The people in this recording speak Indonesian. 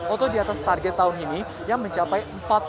atau di atas target tahun ini yang mencapai